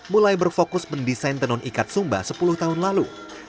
mulai berfokus mendesain tenun ikat sumba sepuluh tahun lalu